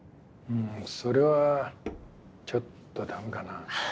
それはちょっとダメかな。